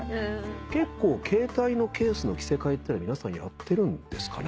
結構携帯のケースの着せ替えってのは皆さんやってるんですかね？